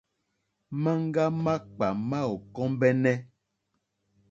Maŋga makpà ma ò kombεnε.